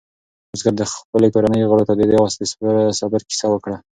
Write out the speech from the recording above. بزګر د خپلې کورنۍ غړو ته د دې آس د صبر کیسه وکړه.